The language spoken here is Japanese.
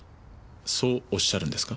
そうおっしゃるんですか？